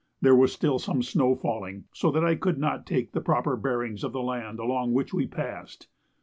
There was still some snow falling, so that I could not take the proper bearings of the land along which we passed.